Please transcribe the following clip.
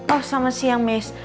oh selamat siang miss